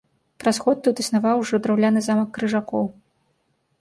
Праз год тут існаваў ужо драўляны замак крыжакоў.